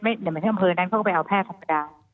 อย่างเหมือนที่อำเภอนั้นเขาก็ไปเอาแพทย์ธรรมดา